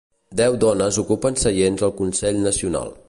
Deu dones ocupen seients al Consell Nacional.